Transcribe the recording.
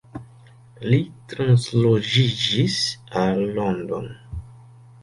Li transloĝiĝis al London.